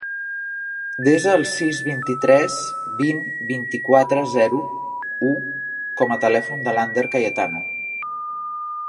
Desa el sis, vint-i-tres, vint, vint-i-quatre, zero, u com a telèfon de l'Ander Cayetano.